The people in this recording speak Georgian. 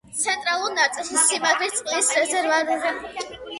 ცენტრალურ ნაწილში სიმაგრის წყლის რეზერვუარია შემორჩენილი.